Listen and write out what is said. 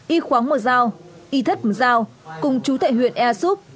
y khoáng mờ giao y thất mờ giao cùng chú tại huyện ea suốt